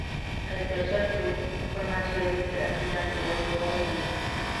El tercer tour fue más breve que la gira anterior, duró un mes.